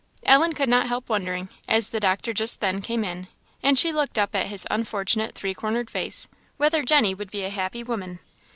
Ellen could not help wondering, as the doctor just then came in and she looked up at his unfortunate three cornered face, whether Jenny would be a happy woman.